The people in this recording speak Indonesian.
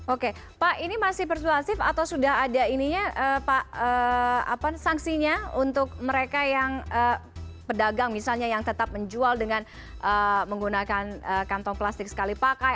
oke pak ini masih persuasif atau sudah ada ininya sanksinya untuk mereka yang pedagang misalnya yang tetap menjual dengan menggunakan kantong plastik sekali pakai